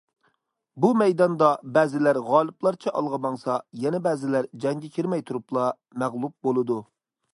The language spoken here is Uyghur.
بۇ مەيداندا بەزىلەر غالىبلارچە ئالغا ماڭسا، يەنە بەزىلەر جەڭگە كىرمەي تۇرۇپلا مەغلۇپ بولىدۇ.